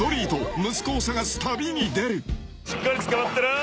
「しっかりつかまってろ」